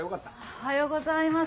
おはようございます。